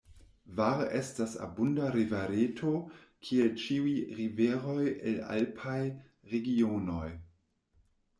Var estas abunda rivereto, kiel ĉiuj riveroj el alpaj regionoj.